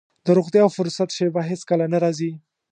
د روغتيا او فرصت شېبه هېڅ کله نه راځي.